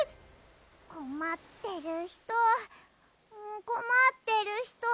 こまってるひとこまってるひと。